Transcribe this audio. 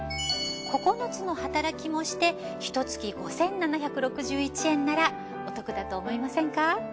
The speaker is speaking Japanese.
９つの働きもしてひと月５，７６１円ならお得だと思いませんか？